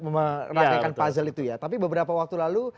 meratakan puzzle itu ya tapi beberapa waktu lalu